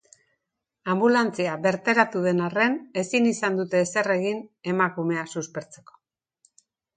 Anbulantzia bertaratu den arren, ezin izan dute ezer egin emakumea suspertzeko.